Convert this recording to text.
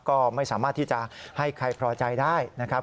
ก็ไม่สามารถที่จะให้ใครพอใจได้นะครับ